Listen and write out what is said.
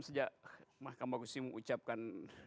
sejak mahkamah kusimu ucapkan